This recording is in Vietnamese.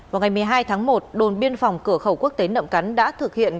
vào ngày một mươi hai tháng một đồn biên phòng cửa khẩu quốc tế nậm cắn đã thực hiện